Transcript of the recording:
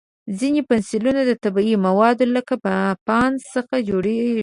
ځینې پنسلونه د طبیعي موادو لکه بانس څخه جوړېږي.